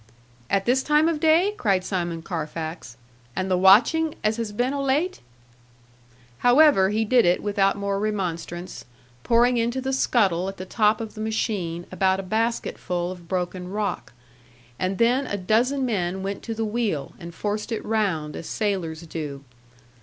'At this time of day!' cried Simon Carfax; 'and the watching as has been o' late!' However, he did it without more remonstrance; pouring into the scuttle at the top of the machine about a baskeful of broken rock; and then a dozen men went to the wheel, and forced it round, as sailors do.